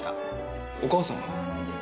お母さんは？